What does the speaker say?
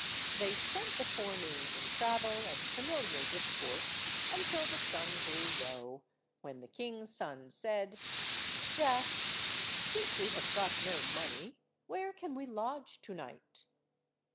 They spent the forenoon in travel and familiar discourse, until the sun grew low, when the king's son said— "Jack, since we have got no money where can we lodge to–night?"